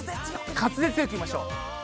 滑舌よくいきましょう。